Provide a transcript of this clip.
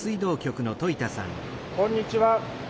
こんにちは。